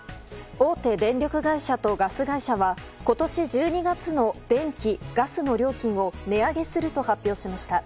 大手電力会社とガス会社は今年１２月の電気・ガスの料金を値上げすると発表しました。